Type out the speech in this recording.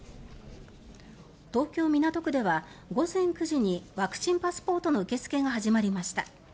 東京・港区では午前９時にワクチンパスポートの受け付けが始まりました。